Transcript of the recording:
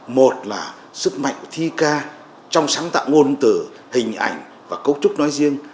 một là sức mạnh thi ca trong sáng tạo ngôn từ hình ảnh và cấu trúc nói riêng